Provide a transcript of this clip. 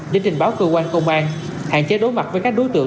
để trình báo cơ quan công an hạn chế đối mặt với các đối tượng